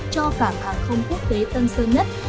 cho cảng hàng không quốc tế tân sơn nhất